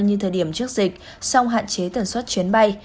như thời điểm trước dịch xong hạn chế tần suất chuyến bay